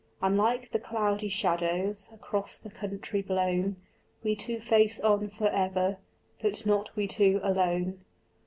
And like the cloudy shadows Across the country blown We two face on for ever, But not we two alone.